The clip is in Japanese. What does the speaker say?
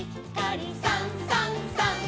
「さんさんさん」